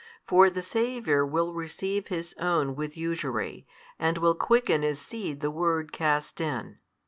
For the Saviour will receive His own with usury, and will quicken as seed the word cast in.